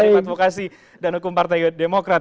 advokasi dan hukum partai demokrat